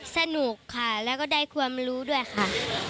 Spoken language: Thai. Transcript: สนุกค่ะแล้วก็ได้ความรู้ด้วยค่ะ